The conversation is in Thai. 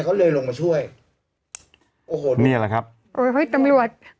เขาเลยลงมาช่วยโอ้โหเนี่ยแหละครับโอ้ยเฮ้ยตำรวจ